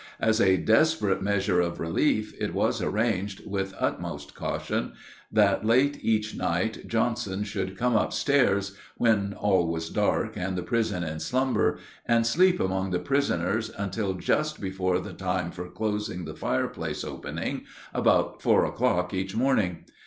As a desperate measure of relief, it was arranged, with the utmost caution, that late each night Johnson should come up stairs, when all was dark and the prison in slumber, and sleep among the prisoners until just before the time for closing the fireplace opening, about four o'clock each morning.